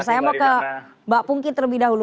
saya mau ke mbak pungki terlebih dahulu